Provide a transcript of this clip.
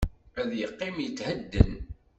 Ad yeqqim yethedden.